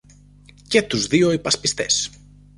και τους δυο υπασπιστές